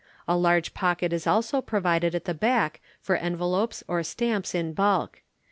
A large pocket is also provided at the back for Envelopes or Stamps in bulk.